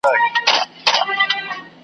تدبیر تر تباهۍ مخکي .